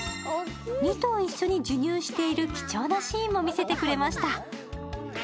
２頭一緒に授乳している貴重なシーンも見せてくれました。